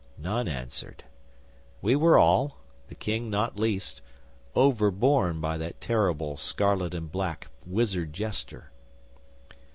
'None answered. We were all the King not least over borne by that terrible scarlet and black wizard jester.